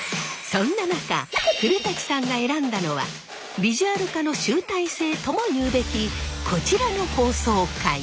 そんな中古さんが選んだのはビジュアル化の集大成とも言うべきこちらの放送回。